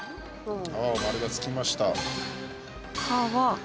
丸がつきました。